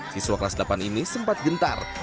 siswa kelas delapan ini sempat gentar